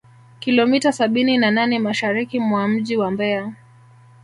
kilomita sabini na nane Mashariki mwa mji wa Mbeya